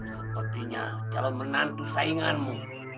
sepertinya calon menantu sainganmu